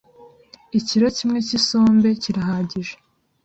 ikiro kimwe cy’isombe kirahagije